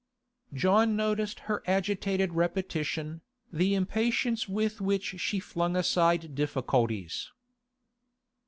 John noticed her agitated repetition, the impatience with which she flung aside difficulties.